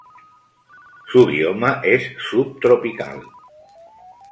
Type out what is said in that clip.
Su bioma es subtropical.